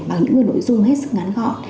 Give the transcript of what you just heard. bằng những nội dung hết sức ngắn gõ